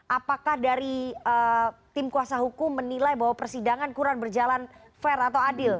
apakah dari tim kuasa hukum menilai bahwa persidangan kurang berjalan fair atau adil